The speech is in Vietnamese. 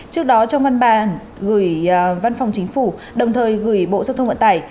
trước đó trong văn bản gửi văn phòng chính phủ đồng thời gửi bộ giao thông vận tải